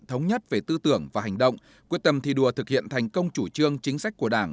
thống nhất về tư tưởng và hành động quyết tâm thi đua thực hiện thành công chủ trương chính sách của đảng